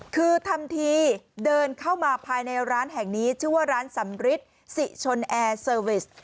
คือทำทีเดินเข้ามาภายในร้านแห่งนี้ชื่อว่าร้านสำริทสิชนแอร์เซอร์วิส